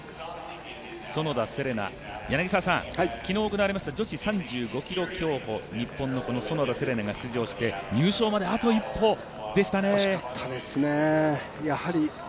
園田世玲奈、昨日行われました女子３５ｋｍ競歩日本の園田世玲奈が出場をして入賞まで、あと一歩でしたね。